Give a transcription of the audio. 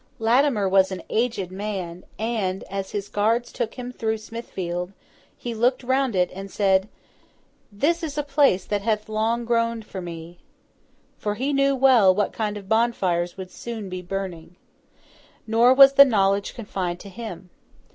Latimer was an aged man; and, as his guards took him through Smithfield, he looked round it, and said, 'This is a place that hath long groaned for me.' For he knew well, what kind of bonfires would soon be burning. Nor was the knowledge confined to him.